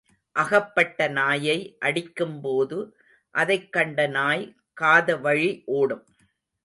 அகப்பட்ட நாயை அடிக்கும் போது, அதைக் கண்ட நாய் காதவழி ஓடும்.